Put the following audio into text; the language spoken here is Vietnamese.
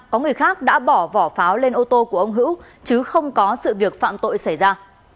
có người khác đã bỏ vỏ pháo lên ô tô của ông hữu chứ không có sự việc phạm tội xảy ra